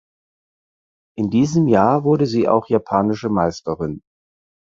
In diesem Jahr wurde sie auch japanische Meisterin.